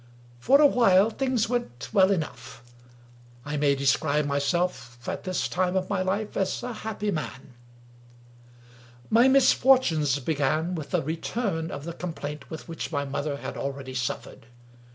For a while things went well enough. I may describe myself at this time of my life as a happy man. My misfortunes began with a return of the complaint with which my mother had already suffered.